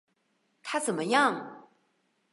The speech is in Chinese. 他怎么样？